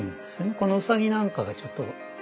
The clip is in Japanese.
このウサギなんかがちょっと。